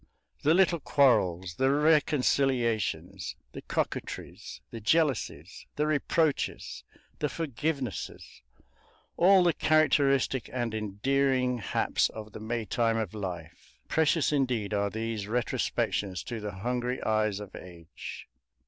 The little quarrels, the reconciliations, the coquetries, the jealousies, the reproaches, the forgivenesses all the characteristic and endearing haps of the Maytime of life precious indeed are these retrospections to the hungry eyes of age!